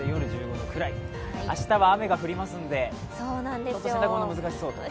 明日は雨が降りますのでちょっと洗濯物難しそう？